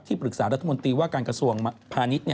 ปรึกษารัฐมนตรีว่าการกระทรวงพาณิชย์